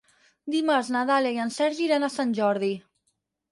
Dimarts na Dàlia i en Sergi iran a Sant Jordi.